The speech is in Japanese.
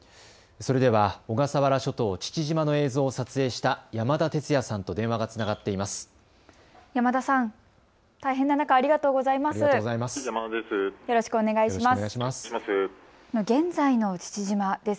それでは小笠原諸島父島の映像を撮影した山田鉄也さんと電話がつながっています。